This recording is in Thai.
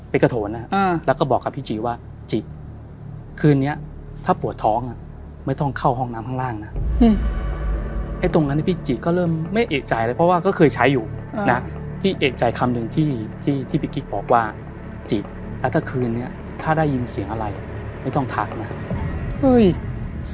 พี่จิกเนี่ยก็นอนเล่นอยู่ตั้งแต่เล็กแล้ว